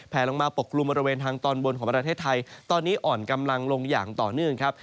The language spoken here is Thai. ลงมาปกกลุ่มบริเวณทางตอนบนของประเทศไทยตอนนี้อ่อนกำลังลงอย่างต่อเนื่องครับ